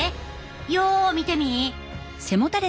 よう見てみ！